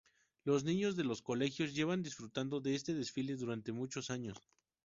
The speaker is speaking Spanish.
Los niños de los colegios llevan disfrutando de este desfile durante muchos años.